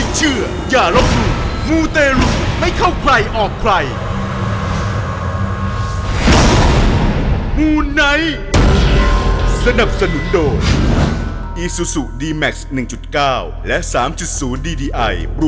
สวัสดีครับผู้ชมครับ